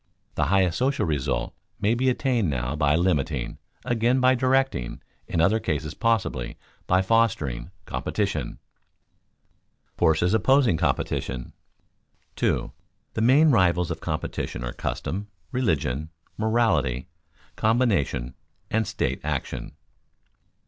The highest social result may be attained now by limiting, again by directing, in other cases possibly by fostering, competition. [Sidenote: Forces opposing competition] 2. _The main rivals of competition are custom, religion, morality, combination, and state action.